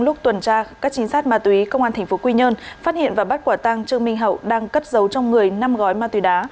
lúc tuần tra các chính sát ma túy cơ quan thành phố quỳ nhơn phát hiện và bắt quả tăng chương minh hậu đang cất dấu trong người năm gói ma túy đá